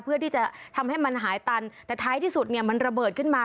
เพื่อที่จะทำให้มันหายตันแต่ท้ายที่สุดเนี่ยมันระเบิดขึ้นมา